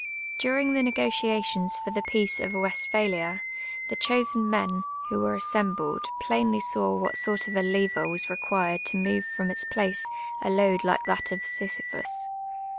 During the negotiations for the peace of Westphalia, the chosen men, who were assembled, plainly saw what sort of a lever was required to move from its place a load like that of Sisyphus.